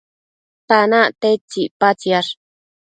tanac tedtsi icpatsiash?